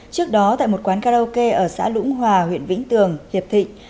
trước đó tại một quán karaoke ở xã lũng hòa huyện vĩnh tường hiệp thịnh